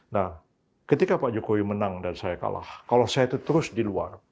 nah ketika pak jokowi menang dan saya kalah kalau saya itu terus di luar